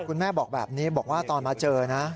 คุณแม่บอกแบบนี้บอกว่าตอนมาเจอนะ